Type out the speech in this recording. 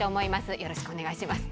よろしくお願いします。